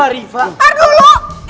oke lihat dulu